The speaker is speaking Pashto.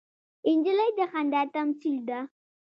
نجلۍ د خندا تمثیل ده.